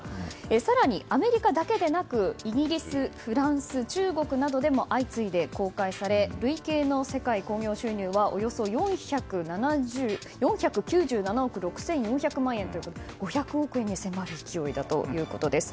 更にアメリカだけでなくイギリス、フランス中国などでも相次いで公開され累計の世界興行収入はおよそ４９７億６４００万円ということで５００億円に迫る勢いだということです。